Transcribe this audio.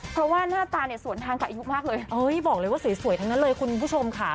เพราะว่าหน้าตาเนี่ยสวนทางกับอายุมากเลยบอกเลยว่าสวยทั้งนั้นเลยคุณผู้ชมค่ะ